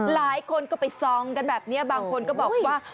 หลายคนก็ไปซองกันแบบนี้บางคนก็บอกว่า